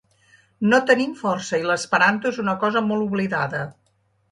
No tenim força i l’esperanto és una cosa molt oblidada.